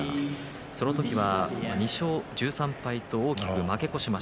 その時は２勝１３敗と大きく負け越しています。